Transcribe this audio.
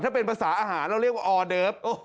ถ้าเป็นภาษาอาหารเราเรียกว่าออเดิฟ